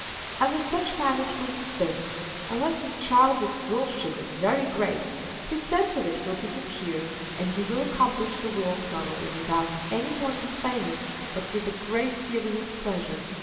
Under such management as this, unless the child's exhaustion is very great, his sense of it will disappear, and he will accomplish the walk not only without any more complaining, but with a great feeling of pleasure.